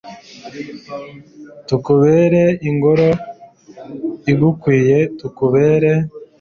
tukubere ingoro igukwiye, tukubere